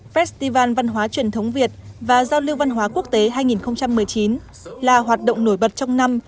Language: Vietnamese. festival văn hóa truyền thống việt và giao lưu văn hóa quốc tế hai nghìn một mươi chín là hoạt động nổi bật trong năm